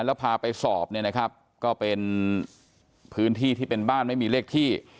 แล้วพาไปสอบเนี่ยนะครับก็เป็นพื้นที่ที่เป็นบ้านไม่มีเลขที่